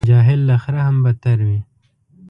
جاهل له خره هم بدتر وي.